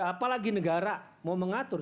apalagi negara mau mengatur